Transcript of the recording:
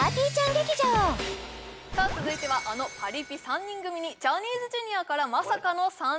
劇場さあ続いてはあのパリピ３人組にジャニーズＪｒ．からまさかの参戦